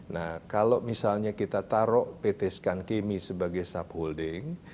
nah kalau misalnya kita taruh pt skankemi sebagai subholding